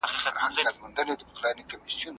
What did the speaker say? هسې ورته زما زړګی راډک شي،